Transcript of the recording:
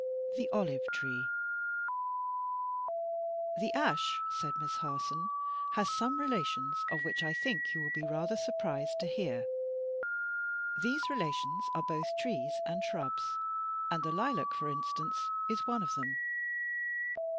THE OLIVE TREE. "The ash," said Miss Harson, "has some relations of which, I think, you will be rather surprised to hear. These relations are both trees and shrubs, and the lilac, for instance, is one of them."